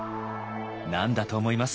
何だと思います？